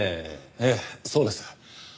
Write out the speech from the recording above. ええそうです。